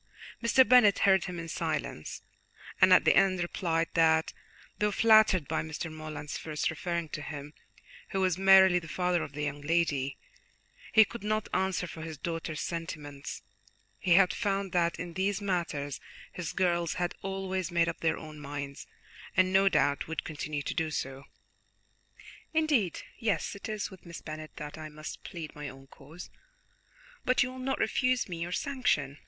Mr. Bennet heard him in silence, and at the end replied that, though flattered by Mr. Morland's first referring to him, who was merely the father of the young lady, he could not answer for his daughter's sentiments; he had found that in these matters his girls had always made up their own minds, and no doubt would continue to do so. "Indeed, yes, it is with Miss Bennet that I must plead my own cause; but you will not refuse me your sanction?"